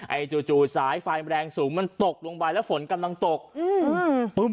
จู่จู่สายไฟแรงสูงมันตกลงไปแล้วฝนกำลังตกอืมปุ๊บ